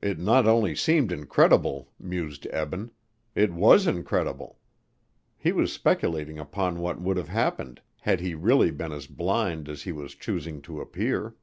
It not only seemed incredible, mused Eben: It was incredible. He was speculating upon what would have happened had he really been as blind as he was choosing to appear.